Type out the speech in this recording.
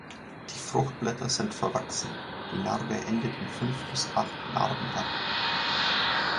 Die Fruchtblätter sind verwachsen, die Narbe endet in fünf bis acht Narbenlappen.